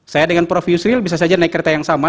saya dengan prof yusril bisa saja naik kereta yang sama